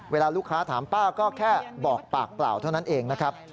เวลาลูกค้าถามป้าก็แค่บอกปากเปล่าเท่านั้นเองนะครับ